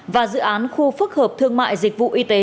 và dự án khu phức hợp thương mại dịch vụ y tế